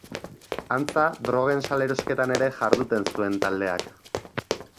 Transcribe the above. Antza drogen salerosketan ere jarduten zuen taldeak.